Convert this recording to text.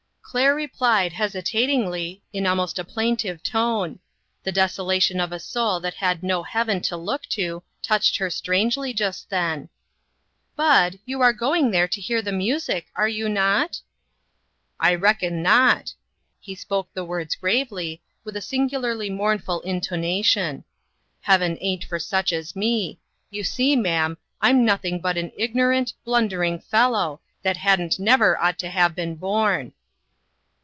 Claire replied hesitatingly, in almost a plaintive tone. The desolation of a soul that had no heaven to look to, touched her strangely just then: " Bud, you are going there to hear the music, are you not ?" 234 INTERRUPTED. " I reckon not." He spoke the words gravely, with a singularly mournful intona tion. " Heaven ain't for such as me. You see, ma'am, I'm nothing but an ignorant, blundering fellow, that hadn't never ought to have been born."